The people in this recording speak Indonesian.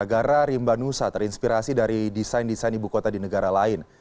negara rimba nusa terinspirasi dari desain desain ibu kota di negara lain